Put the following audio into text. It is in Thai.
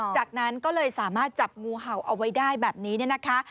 จากนั้นก็เลยสามารถจับงูเห่าเอาไว้ได้แบบนี้เนี่ยนะคะ